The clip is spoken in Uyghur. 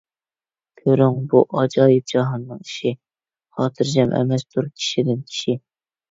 كۆرۈڭ، بۇ ئاجايىپ جاھاننىڭ ئىشى، خاتىرجەم ئەمەستۇر كىشىدىن كىشى.